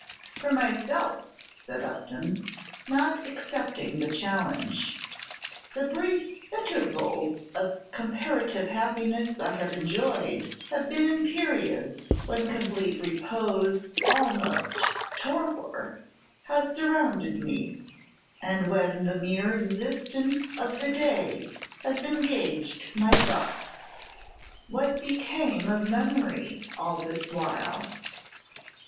"For myself," said Upton, not accepting the challenge, "the brief intervals of comparative happiness I have enjoyed have been in periods when complete repose, almost torpor, has surrounded me, and when the mere existence of the day has engaged my thoughts." "What became of memory all this while?"